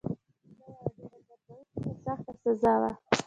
دا یوه ډېره دردونکې او سخته سزا وه.